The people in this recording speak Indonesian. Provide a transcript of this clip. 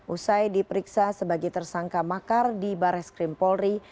usai diperiksa sebagai tersangka makar di bares krim polri